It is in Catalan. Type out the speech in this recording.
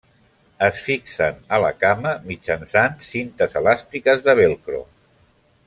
Es fixen a la cama mitjançant cintes elàstiques de velcro.